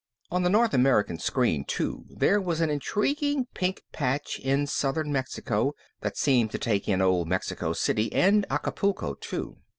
On the North America screen too there was an intriguing pink patch in southern Mexico that seemed to take in old Mexico City and Acapulco too.